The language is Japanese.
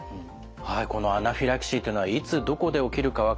はいこのアナフィラキシーというのはいつどこで起きるか分からない。